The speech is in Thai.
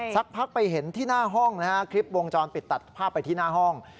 สักพักไปเห็นที่หน้าห้องนะฮะคลิปวงจรปิดตัดภาพไปที่หน้าห้อง